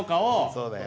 そうだよ。